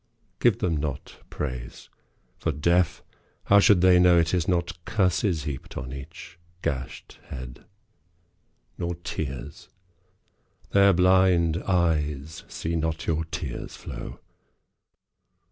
Give them not praise. For, deaf, how should they know It is not curses heaped on each gashed head ? Nor tears. Their blind eyes see not your tears flow.